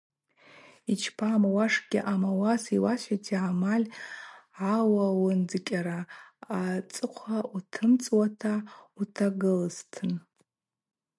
Йчпа амуаш гьаъам, ауаса йуасхӏвитӏи, агӏамаль гӏауауындзыкӏьа ацӏыхъва утымцӏуата утагылызтын.